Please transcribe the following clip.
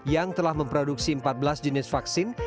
yang telah memproduksi empat belas jenis vaksin